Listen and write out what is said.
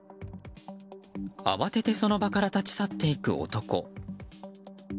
慌ててその場から立ち去っていく男。